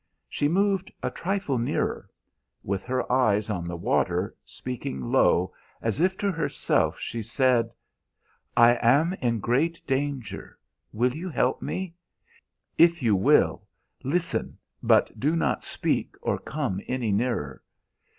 She moved a trifle nearer; with her eyes on the water, speaking low as if to herself, she said: "'I am in great danger. Will you help me? If you will, listen, but do not speak or come any nearer.